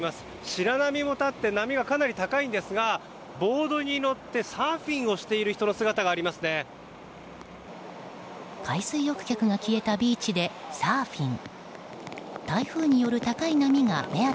白波も立って波がかなり高いんですがボードに乗ってサーフィンをしている人の姿が海水浴客が消えたビーチでサーフィン。